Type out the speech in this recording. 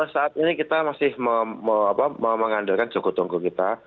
saat ini kita masih mengandalkan jogotongo kita